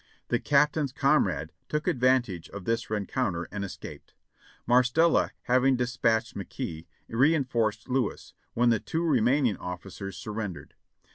The Captain's com rade took advantage of this rencounter and escaped. Marstella having despatched McKee, reinforced Lewis, when the two re maining officers surrendered.